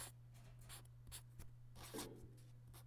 yetti ta oilanigina ishli qilish uchun emas